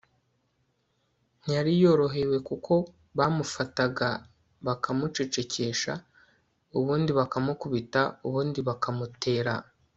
ntiyari yorohewe kuko bamufataga bakamucecekesha, ubundi bakamukubita, ubundi bakamutera